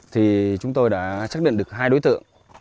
thì chúng tôi đã xác định được hai đối tượng